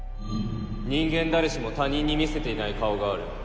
人間誰しも他人に見せていない顔がある。